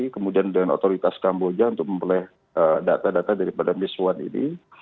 kemudian dengan otoritas kamboja untuk memperoleh data data daripada miswan ini